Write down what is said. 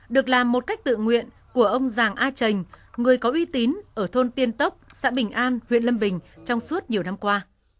được làm một cách tự nguyện của ông giàng a trành người có uy tín ở thôn tiên tốc xã bình an huyện lâm bình trong suốt nhiều năm qua